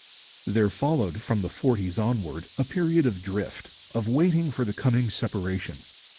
There followed, from the forties onward, a period of drift, of waiting for the coming separation.